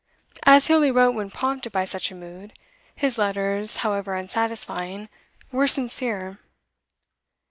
As he only wrote when prompted by such a mood, his letters, however unsatisfying, were sincere.